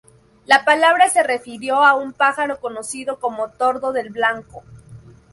La palabra se refirió a un pájaro conocido como tordo del Blanco.